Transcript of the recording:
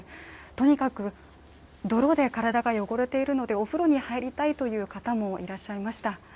とにかく泥で体が汚れているので、お風呂に入りたいという方もいらっしゃいました。